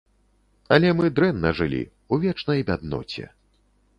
Але мы дрэнна жылі, у вечнай бядноце.